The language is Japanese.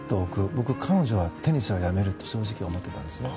僕、彼女はテニスをやめると正直思っていたんですね。